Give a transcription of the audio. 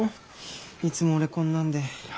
いつも俺こんなんで。